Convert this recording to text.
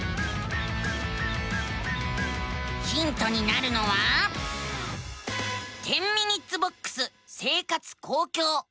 ヒントになるのは「１０ｍｉｎ．ボックス生活・公共」。